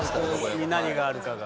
何があるかが。